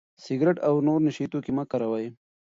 سګرټ او نور نشه يي توکي مه کاروئ.